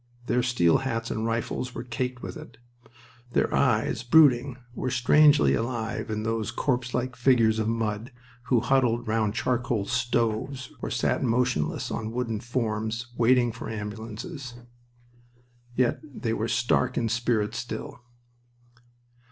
Their steel hats and rifles were caked with it. Their eyes, brooding, were strangely alive in those corpselike figures of mud who huddled round charcoal stoves or sat motionless on wooden forms, waiting for ambulances. Yet they were stark in spirit still.